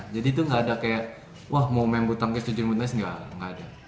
jadi itu gak ada kayak wah mau main bulu tangkis tujuan bulu tangkis gak ada